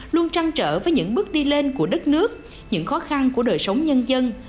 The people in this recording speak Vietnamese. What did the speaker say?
luôn trăng trở với những bước đi lên của đất nước những khó khăn của đời sống nhân dân